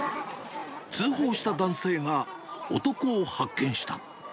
通報した男性が男を発見した。